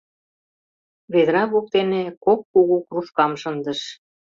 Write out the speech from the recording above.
Ведра воктене кок кугу кружкам шындыш.